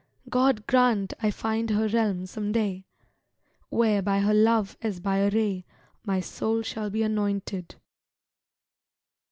God grant I find her realm some day! Where, by her love, as by a ray, My soul shall be anointed.